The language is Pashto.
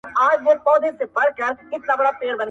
په دا ماته ژبه چاته پیغام ورکړم-